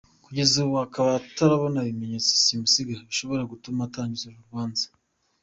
Kugeza ubu akaba atarabona ibimenyatso simusiga bishobora gutuma atangiza uru rubanza.